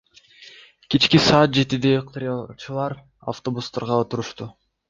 Кечки саат жетиде ыктыярчылар автобустарга отурушту.